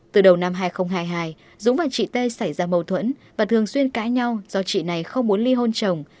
từ đầu năm hai nghìn hai mươi hai dũng và chị tê xảy ra mâu thuẫn và thường xuyên cãi nhau do chị này không muốn ly hôn chồng